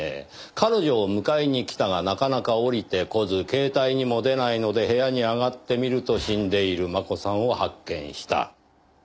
彼女を迎えに来たがなかなか下りて来ず携帯にも出ないので部屋に上がってみると死んでいる真子さんを発見した。